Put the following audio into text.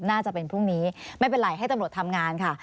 น่าจะเป็นพรุ่งนี้ไม่เป็นไรให้ตำรวจทำงานค่ะ